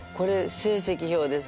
成績表です。